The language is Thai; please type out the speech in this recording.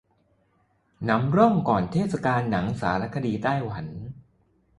นำร่องก่อนเทศกาลหนังสารคดีไต้หวัน